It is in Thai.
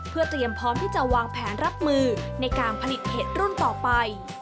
เพื่อเตรียมพร้อมที่จะวางแผนรับมือในการผลิตเห็ดรุ่นต่อไป